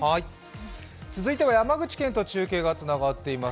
続いては山口県と中継がつながっています。